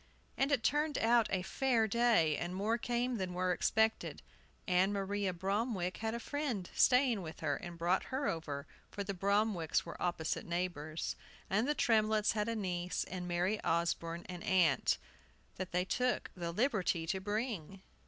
And it turned out a fair day, and more came than were expected. Ann Maria Bromwick had a friend staying with her, and brought her over, for the Bromwicks were opposite neighbors. And the Tremletts had a niece, and Mary Osborne an aunt, that they took the liberty to bring.